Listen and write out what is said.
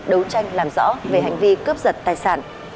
đấu tranh làm rõ về hành vi cướp giật tài sản